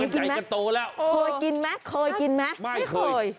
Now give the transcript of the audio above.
เคยกินมั้ยเคยกินมั้ยไม่เคย